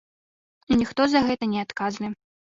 І ніхто за гэта не адказны.